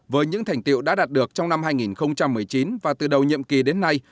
với những thành tiệu đã đạt được trong năm hai nghìn một mươi chín và từ đầu nhiệm kỳ đến nay